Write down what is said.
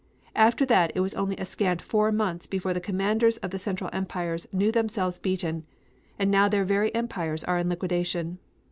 After that it was only a scant four months before the commanders of the central empires knew themselves beaten, and now their very empires are in liquidation!